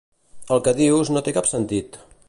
El que dius no té cap sentit.